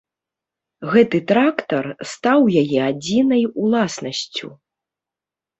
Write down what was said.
Гэты трактар стаў яе адзінай уласнасцю.